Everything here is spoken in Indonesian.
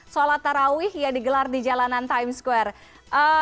salat taraweeh yang digelar di jalanan times square